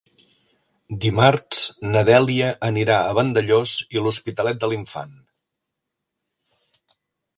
Dimarts na Dèlia anirà a Vandellòs i l'Hospitalet de l'Infant.